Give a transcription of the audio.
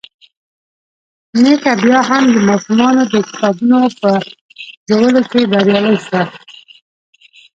ميښه بيا هم د ماشومانو د کتابونو په ژولو کې بريالۍ شوه.